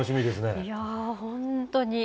いやぁ、本当に。